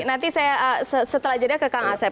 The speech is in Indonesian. nanti saya setelah jeda ke kang asep